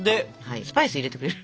スパイス入れてくれる？